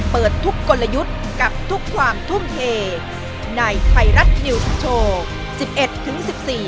เปิดทุกกลยุทธกับทุกความทุ่มเทในไฟรัชนิวสุโชค๑๑๑๔เมษายนนี้